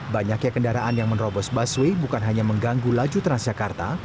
banyaknya kendaraan yang menerobos busway bukan hanya mengganggu laju transjakarta